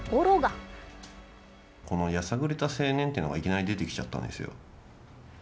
このやさぐれた青年というのがいきなり出てきちゃったんですよ。